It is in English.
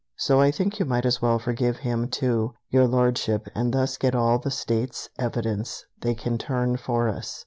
So I think you might as well forgive him, too, Your Lordship, and thus get all the states' evidence they can turn for us.